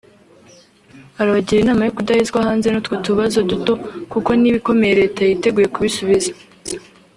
arabagira inama yo kudahezwa hanze n’utwo tubazo duto kuko n’ibikomeye leta yiteguye kubisubiza